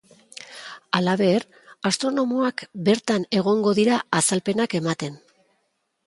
Halaber, astronomoak bertan egongo dira azalpenak ematen.